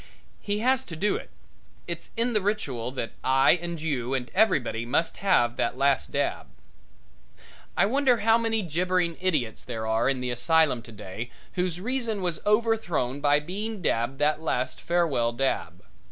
He has to do it; it's in the ritual that I and you and everybody must have that last dab. I wonder how many gibbering idiots there are in the asylum today whose reason was overthrown by being dabbed that last farewell dab.